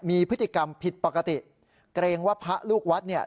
มีพฤติกรรมผิดปกติเกรงว่าพระลูกวัดเนี่ย